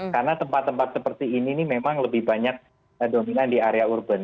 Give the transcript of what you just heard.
karena tempat tempat seperti ini memang lebih banyak dominan di area urban